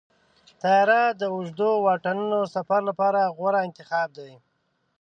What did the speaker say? طیاره د اوږدو واټنونو سفر لپاره غوره انتخاب دی.